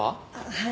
はい。